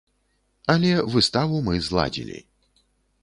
Але выставу мы зладзілі.